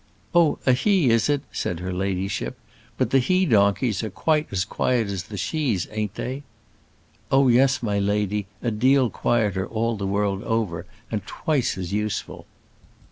"Oh! a he, is it?" said her ladyship; "but the he donkeys are quite as quiet as the shes, ain't they?" "Oh, yes, my lady; a deal quieter, all the world over, and twice as useful."